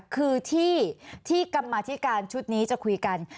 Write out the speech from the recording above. คือที่กรรมาธิการชุดนี้จะคุยกัน